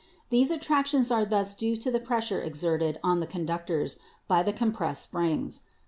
These attractions are thus due to the pressure exerted on the conductors by the compressed springs.